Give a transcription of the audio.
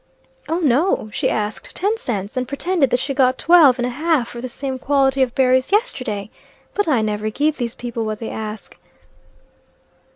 "Oh, no! She asked ten cents, and pretended that she got twelve and a half for the same quality of berries yesterday. But I never give these people what they ask."